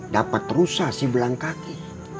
dapat rusak si belang kaki